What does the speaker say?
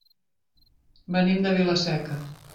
Venim de Vila-seca.